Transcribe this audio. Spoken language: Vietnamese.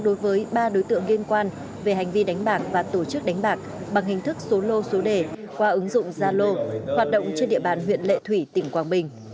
đối với ba đối tượng liên quan về hành vi đánh bạc và tổ chức đánh bạc bằng hình thức số lô số đề qua ứng dụng zalo hoạt động trên địa bàn huyện lệ thủy tỉnh quảng bình